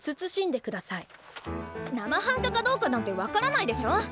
生半可かどうかなんて分からないでしょ！